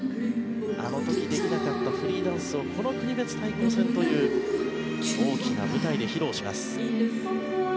あの時できなかったフリーダンスをこの国別対抗戦という大きな舞台で披露します。